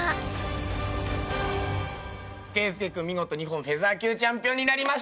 圭佑君見事日本フェザー級チャンピオンになりました！